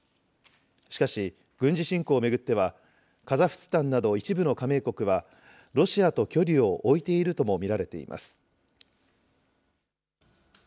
しかし、軍事侵攻を巡ってはカザフスタンなど一部の加盟国は、ロシアと距離を置いているとも見られています。